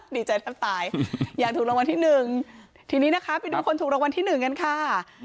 ดีใจแทบตายอยากถูกรับวันที่๑ที่นี้นะคะเพียงมีทุกคนถูกรับวันที่๑กันค่ะ